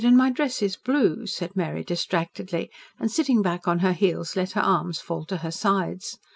and my dress is blue," said Mary distractedly, and sitting back on her heels let her arms fall to her sides.